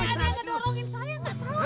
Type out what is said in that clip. ini ada yang ngedorongin saya gak tahu